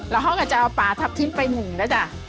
เราเค้าก็จะเอาปลาทับทิมไปหนึ่งนะจ๊ะ